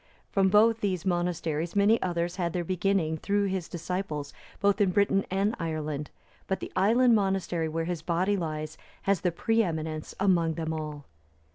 (306) From both these monasteries, many others had their beginning through his disciples, both in Britain and Ireland; but the island monastery where his body lies, has the pre eminence among them all.